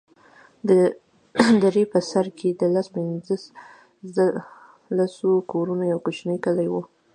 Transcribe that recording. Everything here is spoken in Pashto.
د درې په سر کښې د لس پينځه لسو کورونو يو کوچنى کلى و.